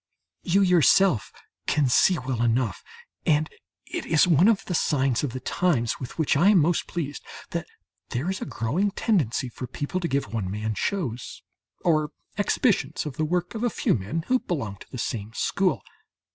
You yourself can see well enough and it is one of the signs of the times with which I am most pleased that there is a growing tendency for people to give one man shows, or exhibitions of the work of a few men who belong to the same school.